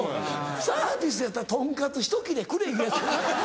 サービスやったらとんかつひと切れくれいうやつやな。